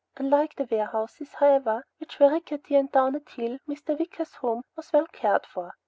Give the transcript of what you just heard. Unlike the warehouses, however, which were rickety and down at heel, Mr. Wicker's home was well cared for.